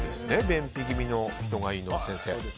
便秘気味の人にいいのは。